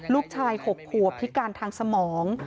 ลูกชาย๖ขวบพิการทางสมอง